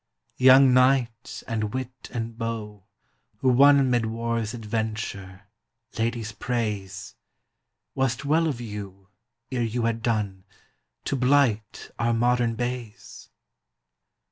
Young knight and wit and beau, who won Mid war's adventure, ladies' praise, Was't well of you, ere you had done, To blight our modern bays?